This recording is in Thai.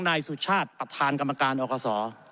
ผู้ชาติประธานกรรมการออกข้อสอ